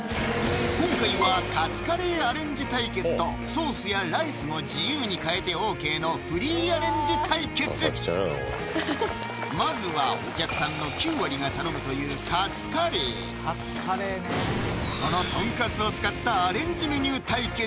今回はカツカレーアレンジ対決とソースもライスも自由に変えてＯＫのフリーアレンジ対決まずはお客さんの９割が頼むというカツカレーそのトンカツを使ったアレンジメニュー対決